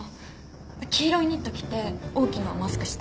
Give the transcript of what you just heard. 黄色いニット着て大きなマスクして。